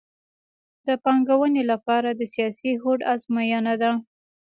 د پانګونې لپاره د سیاسي هوډ ازموینه ده